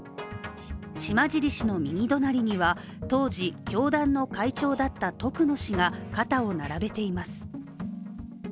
島尻氏の右隣には当時、教団の会長だった徳野氏が肩を並べています。